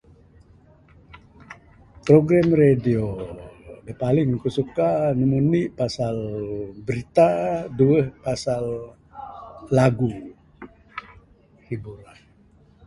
Program radio da paling ku suka ne lumur indi pasal berita, duweh pasal lagu.